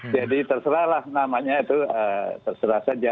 jadi terserahlah namanya itu terserah saja